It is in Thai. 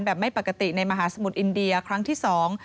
ไม่ปกติในมหาสมุทรอินเดียครั้งที่สอง